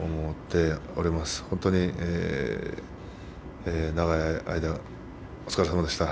本当に長い間お疲れさまでした。